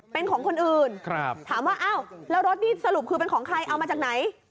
เป็นของคนอื่นถามว่าอ้าวแล้วรถนี่สรุปคือเป็นของใครเอามาจากไหน